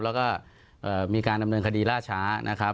แล้วก็มีการดำเนินคดีล่าช้านะครับ